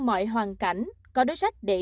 mọi hoàn cảnh có đối sách để